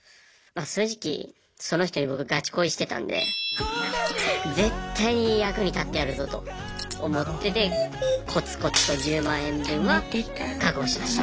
正直その人に僕ガチ恋してたんで絶対に役に立ってやるぞと思っててこつこつと１０万円分は確保しました。